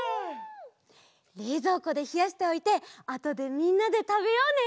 れいぞうこでひやしておいてあとでみんなでたべようね！